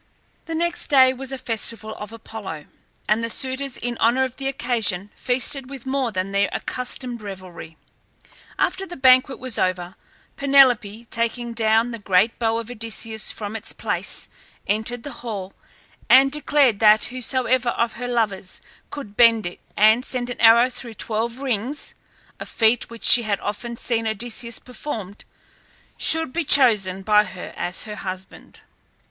The next day was a festival of Apollo, and the suitors in honour of the occasion feasted with more than their accustomed revelry. After the banquet was over Penelope, taking down the great bow of Odysseus from its place, entered the hall and declared that whosoever of her lovers could bend it and send an arrow through twelve rings (a feat which she had often seen Odysseus perform) should be chosen by her as her husband.